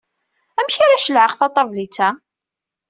Amek ara ceɛleɣ taṭablit-a?